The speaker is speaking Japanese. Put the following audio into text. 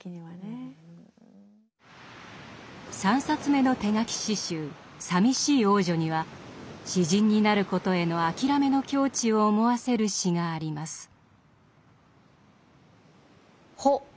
３冊目の手書き詩集「さみしい王女」には詩人になることへの諦めの境地を思わせる詩があります。